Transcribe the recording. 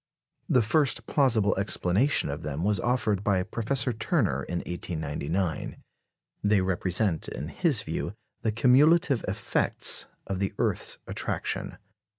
The first plausible explanation of them was offered by Professor Turner in 1899. They represent, in his view, the cumulative effects of the earth's attraction.